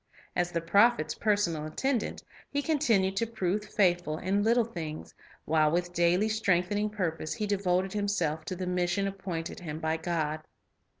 As the prophet's personal attendant, he continued to prove faithful in little things, while with daily strengthening purpose he devoted himself to the mission appointed him by God.